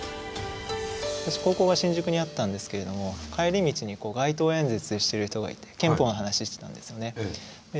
私高校が新宿にあったんですけれども帰り道に街頭演説している人がいて憲法の話してたんですよね。